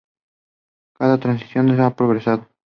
Cada tradición ha progresado.